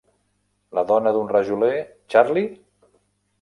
La dona d'un rajoler, Charley?